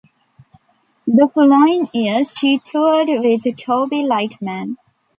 The following year, she toured with Toby Lightman.